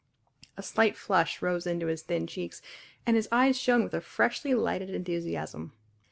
A slight flush rose into his thin cheeks and his eyes shone with a freshly lighted enthusiasm.